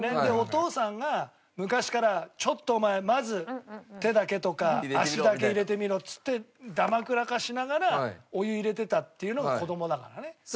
でお父さんが昔からちょっとお前まず手だけとか足だけ入れてみろっつってだまくらかしながらお湯入れてたっていうのが子供だからね。